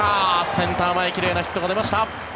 センター前奇麗なヒットが出ました。